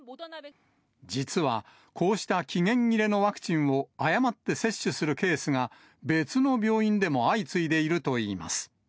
実は、こうした期限切れのワクチンを誤って接種するケースが、別の病院でも相次いでいるといいます。